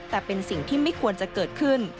แต่เป็นสิ่งที่ไม่ควรจะเกิดขึ้น